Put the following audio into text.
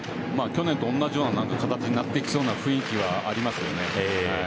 去年と同じような形になっていきそうな雰囲気はありますよね。